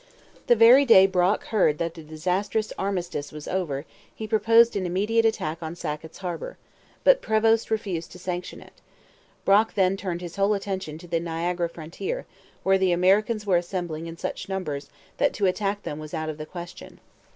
The very day Brock heard that the disastrous armistice was over he proposed an immediate attack on Sackett's Harbour. But Prevost refused to sanction it. Brock then turned his whole attention to the Niagara frontier, where the Americans were assembling in such numbers that to attack them was out of the question.